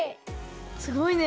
すごいね。